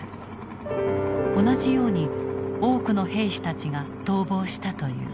同じように多くの兵士たちが逃亡したという。